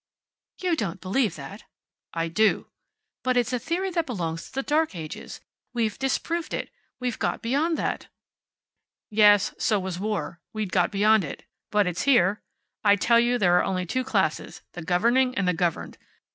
"You don't believe that." "I do." "But it's a theory that belongs to the Dark Ages. We've disproved it. We've got beyond that." "Yes. So was war. We'd got beyond it. But it's here. I tell you, there are only two classes: the governing and the governed.